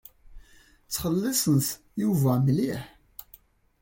Ttxelliṣent Yuba mliḥ.